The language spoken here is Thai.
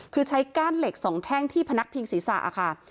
คือใช้ก้านเหล็กสองแท่งที่พนักพิงศีรษะค่ะ